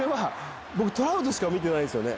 僕トラウトしか見てないんですよ